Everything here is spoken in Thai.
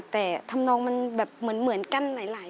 แต่ทำนองมันเหมือนกันหลายเพลง